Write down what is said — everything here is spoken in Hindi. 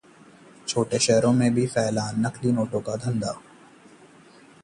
छोटे शहरों में भी फैला नकली नोटों का धंधा